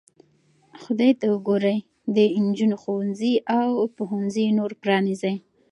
خدای ته وګورئ د نجونو ښوونځي او پوهنځي نور پرانیزئ.